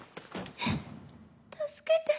助けて。